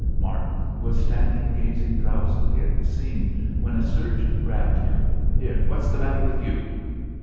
Martin was standing gazing drowsily at the scene when a surgeon grabbed him. "Here, what's the matter with you?"